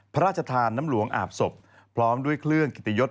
พระราชทานน้ำหลวงอาบศพพร้อมด้วยเครื่องกิติยศ